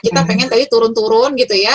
kita pengen tadi turun turun gitu ya